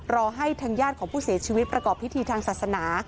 รอให้ทางญาติของผู้เสียชีวิตประกอบพิธีทางศาสนา